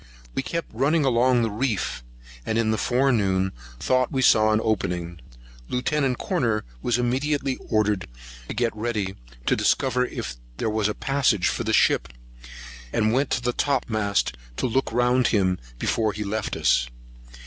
We kept running along the reef, and in the forenoon thought we saw an opening. Lieut. Corner was immediately ordered to get ready, to discover if there was a passage for the ship, and went to the topmasthead, to look well round him before he left us.